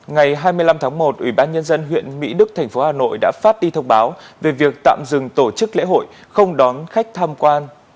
ngày hai mươi năm tháng một ủy ban nhân dân huyện mỹ đức thành phố hà nội đã phát đi thông báo về việc tạm dừng tổ chức lễ hội không đón khách tham quan